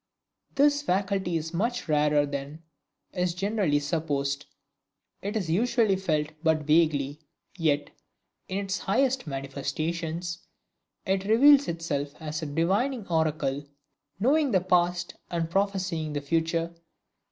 This faculty is much rarer than is generally supposed. It is usually felt but vaguely, yet in its highest manifestations, it reveals itself as a "divining oracle," knowing the Past and prophesying the Future.